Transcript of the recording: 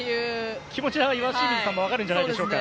気持ちは岩清水さんも分かるんじゃないでしょうか。